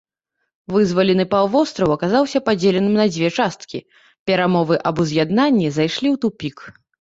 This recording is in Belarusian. Вызвалены паўвостраў аказаўся падзеленым на дзве часткі, перамовы аб уз'яднанні зайшлі ў тупік.